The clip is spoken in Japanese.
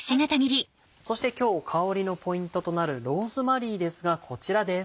そして今日香りのポイントとなるローズマリーですがこちらです。